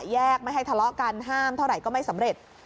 แยกไม่ให้ทะเลาะกันห้ามเท่าไหร่ก็ไม่สำเร็จ